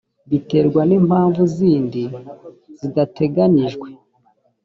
bitewe n impamvu zindi zidateganijwe